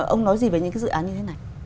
ông nói gì về những cái dự án như thế này